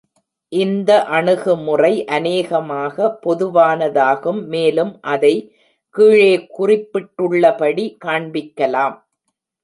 இந்த அணுகுமுறை அநேகமாக பொதுவானதாகும் மேலும் அதை கீழே குறிப்பிட்டுள்ளபடி காண்பிக்கலாம்.